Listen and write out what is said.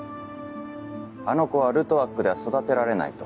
あの子はルトワックでは育てられないと？